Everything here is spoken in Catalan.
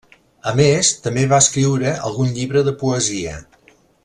A més, també va escriure algun llibre de poesia.